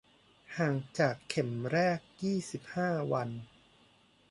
ห่างจากเข็มแรกยี่สิบห้าวัน